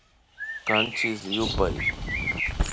Kanchis yupay